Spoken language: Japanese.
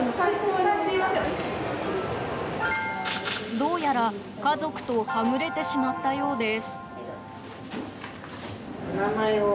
どうやら、家族とはぐれてしまったようです。